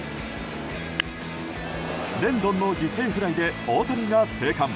レンドンの犠牲フライで大谷が生還。